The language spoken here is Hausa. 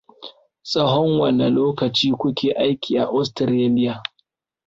Tsahon wane lokaci ku ke aiki a Australia?